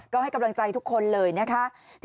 ก็ให้กำลังใจทุกคนเลยนะคะ